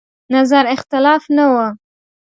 نظر اختلاف نه و.